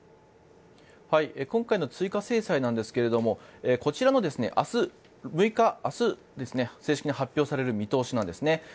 今回の追加制裁なんですがこちらの明日６日正式に発表される見通しなんですね。